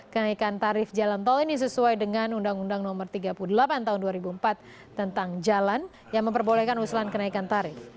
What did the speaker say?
kenaikan tarif jalan tol ini sesuai dengan undang undang no tiga puluh delapan tahun dua ribu empat tentang jalan yang memperbolehkan usulan kenaikan tarif